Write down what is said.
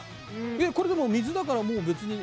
これでも水だから別に。